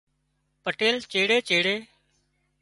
پٽيل چيڙي چيڙي